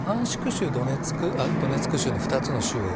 州ドネツク州の２つの州を